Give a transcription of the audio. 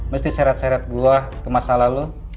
mesti seret seret gue ke masalah lo